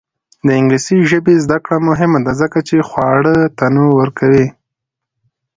د انګلیسي ژبې زده کړه مهمه ده ځکه چې خواړه تنوع ورکوي.